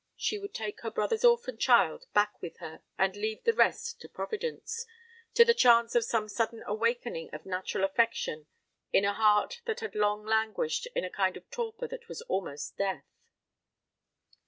She would take her brother's orphan child back with her, and leave the rest to Providence to the chance of some sudden awakening of natural affection in a heart that had long languished in a kind of torpor that was almost death.